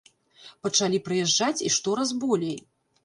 Пачалі прыязджаць і штораз болей!